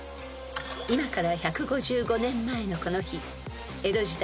［今から１５５年前のこの日江戸時代